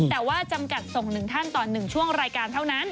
แต่ว่าจำกัดส่ง๑ท่านต่อ๑ช่วงรายการเท่านั้น